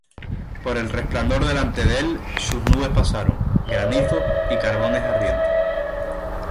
Por el resplandor delante de él, sus nubes pasaron; Granizo y carbones ardientes.